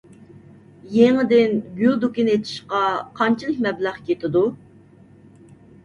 يېڭىدىن گۈل دۇكىنى ئېچىشقا قانچىلىك مەبلەغ كېتىدۇ؟